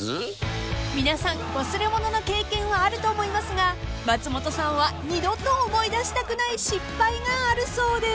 ［皆さん忘れ物の経験はあると思いますが松本さんは二度と思い出したくない失敗があるそうで］